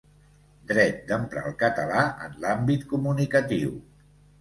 Dret d’emprar el català en l’àmbit comunicatiu.